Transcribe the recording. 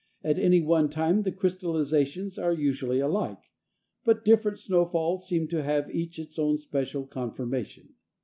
At any one time the crystallizations are usually alike, but different snow falls seem to have each its own special conformation.